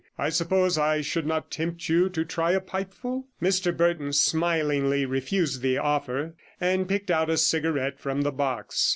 I suppose I could not tempt you to try a pipeful?' Mr Burton smilingly refused the offer, and picked out a cigarette from the box.